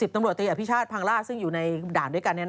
ตำรวจตีอภิชาติพังล่าซึ่งอยู่ในด่านด้วยกัน